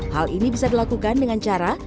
hal ini bisa dilakukan dengan cara